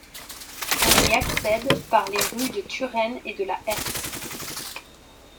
On y accède par les rues de Turenne et de la Herse.